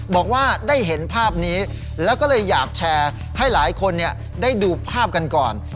บอกว่าได้เห็นภาพนี้แล้วก็เลยอยากแชร์ให้หลายคนได้ดูภาพกันก่อน